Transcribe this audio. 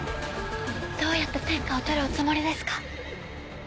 どうやって天下を獲るおつもりですか？